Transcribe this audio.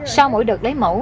sau mỗi đợt lấy mẫu